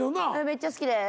めっちゃ好きです。